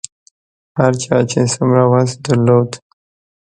هر چا چې څومره وس درلود.